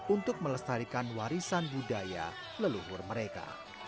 untuk melestarikan warisan budaya leluhur mereka